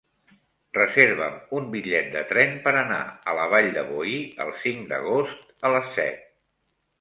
Reserva'm un bitllet de tren per anar a la Vall de Boí el cinc d'agost a les set.